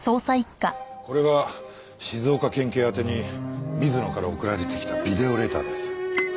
これが静岡県警宛てに水野から送られてきたビデオレターです。